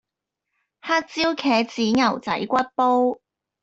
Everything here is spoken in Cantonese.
黑椒茄子牛仔骨煲